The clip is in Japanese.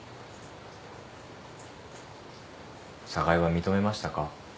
寒河江は認めましたか？